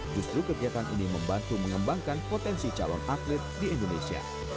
justru kegiatan ini membantu mengembangkan potensi calon atlet di indonesia